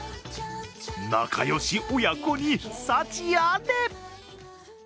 仲良し親子に幸あれ！